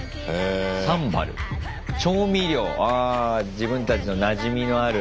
自分たちのなじみのある。